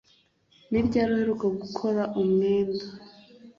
Ni ryari uheruka gukora umwenda